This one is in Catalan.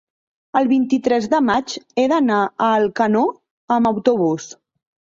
el vint-i-tres de maig he d'anar a Alcanó amb autobús.